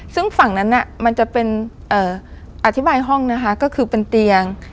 ซึ่งฝั่งนั้นมันจะเป็นอธิบายห้องนะคะก็คือเป็นเตียง